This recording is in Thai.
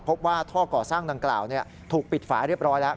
พบว่าท่อก่อสร้างดังกล่าวถูกปิดฝาเรียบร้อยแล้ว